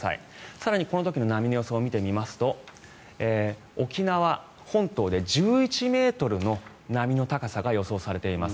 更に、この時の波の予想を見てみますと沖縄本島で１１ｍの波の高さが予想されています。